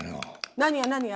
何が何が？